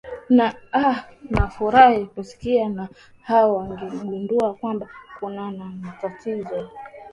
aa nafurahi kusikia na wao wamegundua kwamba kuna na matatizo